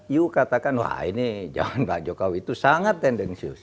yuk katakan wah ini zaman pak jokowi itu sangat tendensius